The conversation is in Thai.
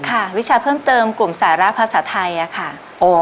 วิชาเพิ่มเติมกลุ่มสาระภาษาไทยอะค่ะ